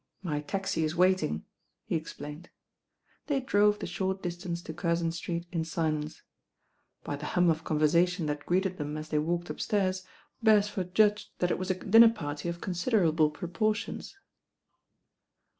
My taxi is waiting," he explained. They drove the short distance to Curzon Street In silence. By the hum of conversation that greeted them as 114 THE RAIN 6IBL 1 ! 1! I! i h ii they walked upstairs, Beresford judged that it was a dinner party of considerable proportions.